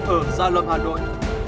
ở gia lâm hà nội